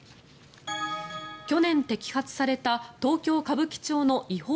去年摘発された東京・歌舞伎町の違法